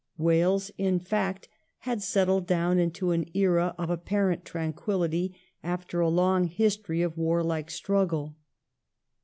Wales, in fact, had settled down into an era of apparent tranquillity after a long history of warlike struggle.